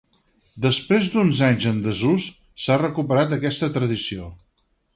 Després d'uns anys en desús s'ha recuperat aquesta tradició.